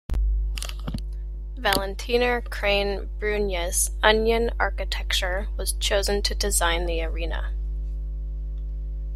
Valentiner, Crane, Brunjes, Onyon Architecture was chosen to design the arena.